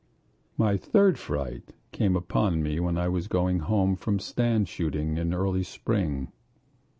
My third fright came upon me as I was going home from stand shooting in early spring.